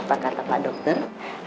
apa kata pak dokter